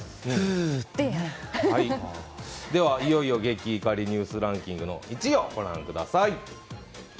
いよいよゲキ怒りニュースランキングの１位をご覧ください。